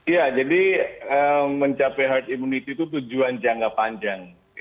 ya jadi mencapai herd immunity itu tujuan jangka panjang